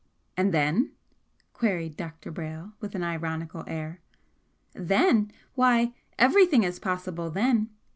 "And then?" queried Dr. Brayle, with an ironical air. "Then? Why, everything is possible then!